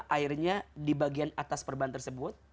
airnya di bagian atas perban tersebut